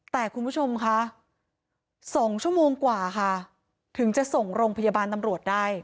แต่คุณผู้ชมคะ๒ชั่วโมงกว่าค่ะถึงจะส่งโรงพยาบาลตำรวจได้